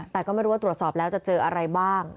แต่ก็ไม่รู้ว่าตรวจสอบแล้วจะเจออะไรบ้าง